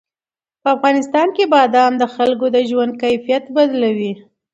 په افغانستان کې بادام د خلکو د ژوند کیفیت بدلوي.